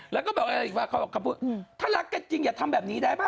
อ๋อแล้วก็บอกอีกว่าอ่าพูดถ้าลักกายจริงอย่าทำแบบนี้ได้ป่ะ